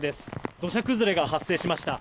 土砂崩れが発生しました。